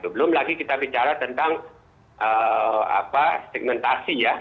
belum lagi kita bicara tentang segmentasi ya